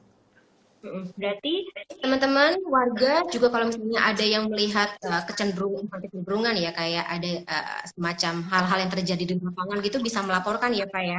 berarti teman teman warga juga kalau misalnya ada yang melihat kecenderungan kecenderungan ya kayak ada semacam hal hal yang terjadi di lapangan gitu bisa melaporkan ya pak ya